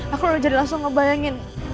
aku udah jadi langsung ngebayangin